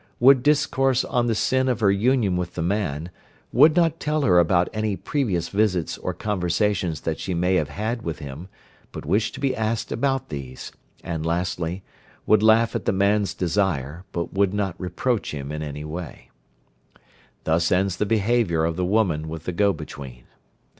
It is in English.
would discourse on the sin of her union with the man, would not tell her about any previous visits or conversations that she may have had with him, but wish to be asked about these, and lastly would laugh at the man's desire, but would not reproach him in any way. Thus ends the behaviour of the woman with the go between.